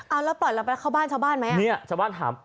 เอาแล้วปล่อยเราไปเข้าบ้านชาวบ้านไหมอ่ะเนี่ยชาวบ้านถาม